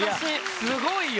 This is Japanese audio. すごいよ。